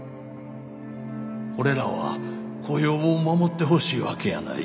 俺らは雇用を守ってほしいわけやない。